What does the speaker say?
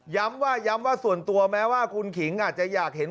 ว่าย้ำว่าส่วนตัวแม้ว่าคุณขิงอาจจะอยากเห็น